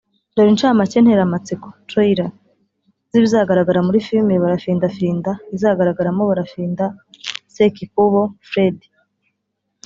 Dore inshamake nteramatsiko (trailer) z’ibizagaragara muri filimi Barafindafinda izagaragaramo Barafinda Sekikubo Fred